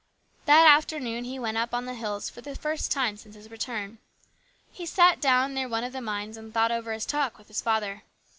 That afternoon he went up on the hills for the first time since his return. He sat down near one of the mines and thought over his talk with his father.